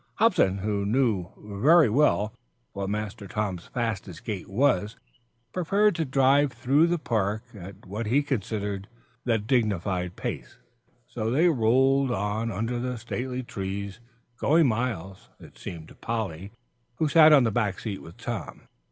Hobson, who knew very well what Master Tom's fastest gait was, preferred to drive through the park at what he considered the dignified pace. So they rolled on under the stately trees, going miles, it seemed to Polly, who sat on the back seat with Tom.